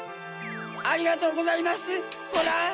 ありがとうございますホラ！